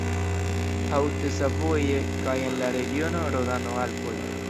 Haute-Savoie kaj en la regiono Rodano-Alpoj.